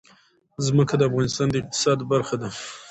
ځمکه د افغانستان د اقتصاد برخه ده.